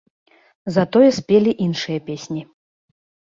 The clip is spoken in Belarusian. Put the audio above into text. Затое спелі іншыя песні.